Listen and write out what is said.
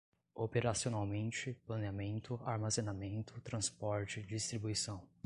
operacionalmente, planeamento, armazenamento, transporte, distribuição